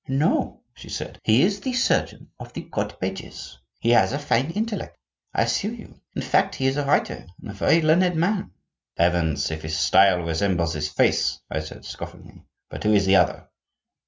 "No," she said, "he is the surgeon of the court pages. He has a fine intellect, I assure you; in fact, he is a writer, and a very learned man." "Heavens! if his style resembles his face!" I said scoffingly. "But who is the other?"